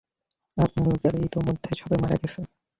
আপনার লোকেরা ইতোমধ্যেই সবাই মারা গেছে।